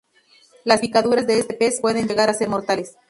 Las picaduras de este pez pueden llegar a ser mortales.